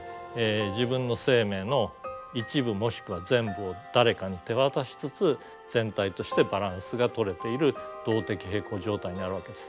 自分の生命の一部もしくは全部を誰かに手渡しつつ全体としてバランスがとれている動的平衡状態になるわけです。